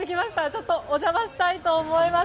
ちょっとお邪魔したいと思います。